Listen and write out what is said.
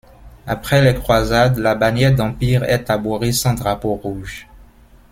Après les croisades, la bannière d'Empire est arborée sans drapeau rouge.